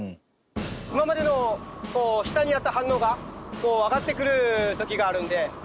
今までのこう下にあった反応が上がってくる時があるので。